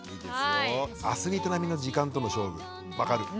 「アスリート並みの時間との勝負」分かる。